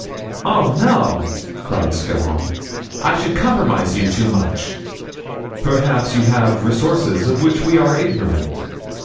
"Oh, no!" cried Scarron, "I should compromise you too much." "Perhaps you have resources of which we are ignorant?"